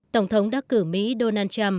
tổng thống đắc cử mỹ donald trump